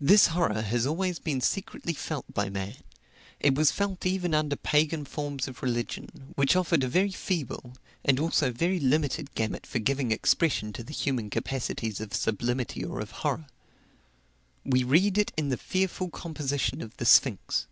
This horror has always been secretly felt by man; it was felt even under pagan forms of religion, which offered a very feeble, and also a very limited gamut for giving expression to the human capacities of sublimity or of horror. We read it in the fearful composition of the sphinx.